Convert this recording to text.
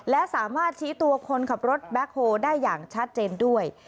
และสามารถชี้ตัวคนขับรถแบ็คโฮได้อย่างชัดเจนด้วย